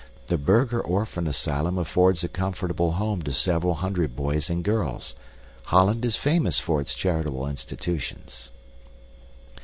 The Burgher Orphan Asylum affords a comfortable home to several hundred boys and girls. Holland is famous for its charitable institutions.